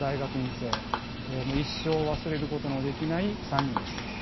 一生忘れることのできない３人です。